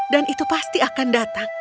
dan itu pasti akan datang